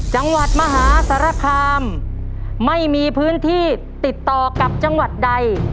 จังหวัดมหาสารคามไม่มีพื้นที่ติดต่อกับจังหวัดใด